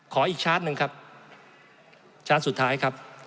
ขออีกชาร์จหนึ่งครับชาร์จสุดท้ายครับ